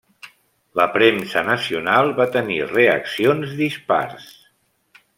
La premsa nacional va tenir reaccions dispars.